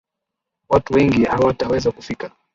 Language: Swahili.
Watu wengi hawataweza kufika